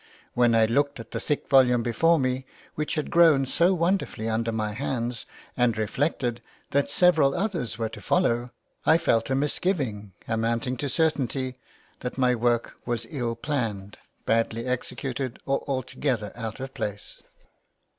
When I looked at the thick volume before me, which had grown so wonderfully under my hands, and reflected that several others were to follow, I felt a misgiving amounting to certainty that my work was ill planned, badly executed, or altogether out of place.